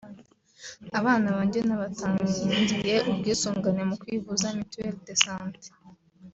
Abana banjye nabatangiye ubwisungane mu kwivuza (Mituelle de Santé)